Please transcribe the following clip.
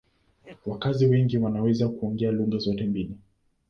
Wakazi wengi wanaweza kuongea lugha zote mbili.